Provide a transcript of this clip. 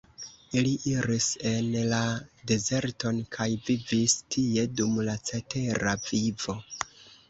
Li iris en la dezerton kaj vivis tie dum la cetera vivo.